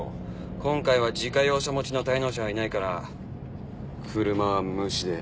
今回は自家用車持ちの滞納者はいないから車は無視で。